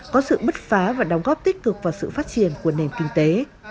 có sự bứt phá và đóng góp tích cực vào sự phát triển của nền kinh tế